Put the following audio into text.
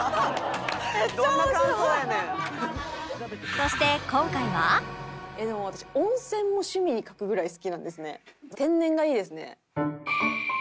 そしてでも私温泉も趣味に書くぐらい好きなんですね。